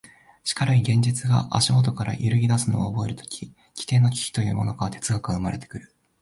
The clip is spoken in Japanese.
しかるに現実が足下から揺ぎ出すのを覚えるとき、基底の危機というものから哲学は生まれてくる。